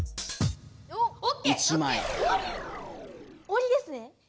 おわりですね？